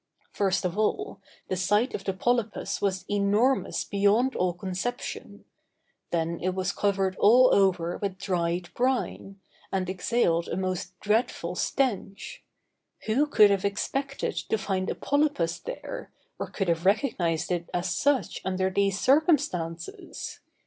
First of all, the size of the polypus was enormous beyond all conception; then it was covered all over with dried brine, and exhaled a most dreadful stench. Who could have expected to find a polypus there, or could have recognized it as such under these circumstances?